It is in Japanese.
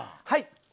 はい。